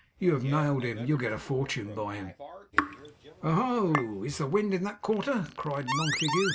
'You have nailed him. You'll get a fortune by him.' 'Oho! Is the wind in that quarter?' cried Montague.